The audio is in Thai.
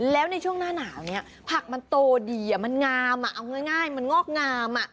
แล้วในช่วงหน้าหนาวเนี่ยผักมันโตดีมันงามเอาง่ายมันงอกงาม